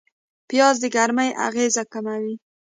پیاز د ګرمۍ اغېز کموي